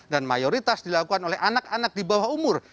dan mayoritas dilakukan oleh anak anak di bawah umur